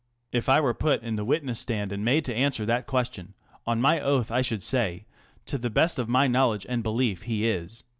If I were put in the witness stand and made to answer that question on my oath I should say, " To the best of my knowledge and belief he is."